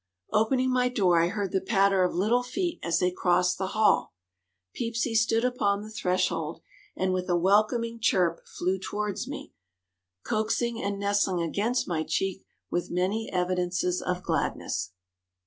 Opening my door I heard the patter of little feet as they crossed the hall; Peepsy stood upon the threshold and, with a welcoming chirp, flew towards me, coaxing and nestling against my cheek with many evidences of gladness.